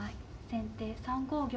先手３五玉。